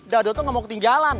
dado tuh gak mau ketinggalan